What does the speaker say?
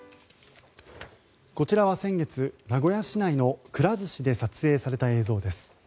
こちらは先月名古屋市内のくら寿司で撮影された映像です。